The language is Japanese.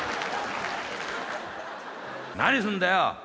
何すんだよ！